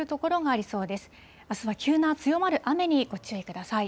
あすは急な強まる雨にご注意ください。